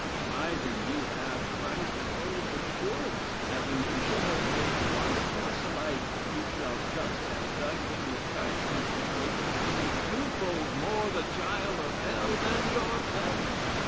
Why, then; you have Christ's own assurance, that when you shall have made one proselyte, you shall just have done him the kindness of making him twofold more the child of Hell than yourself.